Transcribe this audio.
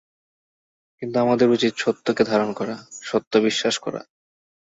কিন্তু আমাদের উচিত সত্যকে ধারণা করা, সত্য বিশ্বাস করা।